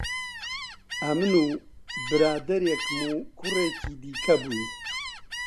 ئەمن و برادەرێکم و کوڕێکی دیکە بووین